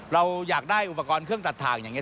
เราอยากได้อุปกรณ์เครื่องตัดถ่างอย่างนี้